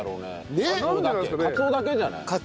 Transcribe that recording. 鰹だけじゃない？